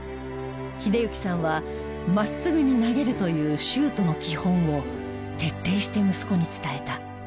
英幸さんは真っすぐに投げるというシュートの基本を徹底して息子に伝えた。